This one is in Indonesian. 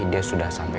dia sudah sampai